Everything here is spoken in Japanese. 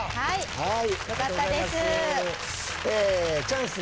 はい。